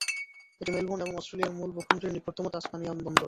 এটি মেলবোর্ন এবং অস্ট্রেলিয়ার মূল ভূখণ্ডের নিকটতম তাসমানিয়ান বন্দর।